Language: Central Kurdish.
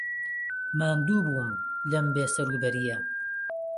ماندوو بووم لەم بێسەروبەرییە.